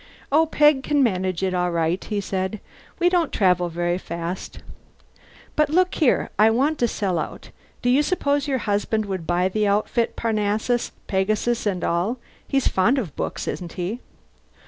"Oh, Peg can manage it all right," he said. "We don't travel very fast. But look here, I want to sell out. Do you suppose your husband would buy the outfit Parnassus, Pegasus, and all? He's fond of books, isn't he?